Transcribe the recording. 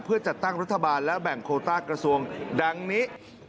เพื่อจัดตั้งรัฐบาลและแบ่งโคต้ากระทรวงดังนี้